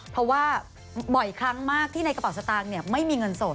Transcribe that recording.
เพราะบ่อยที่กระเป๋าสตางค์ไม่มีเงินสด